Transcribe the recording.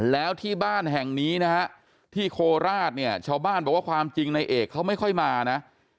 แล้วที่บ้านแห่งนี้นะฮะที่โคราชเนี่ยชาวบ้านบอกว่าความจริงในเอกเขาไม่ค่อยมานะ